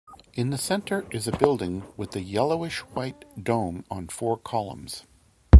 In the centre is a building with a yellowish-white dome on four columns.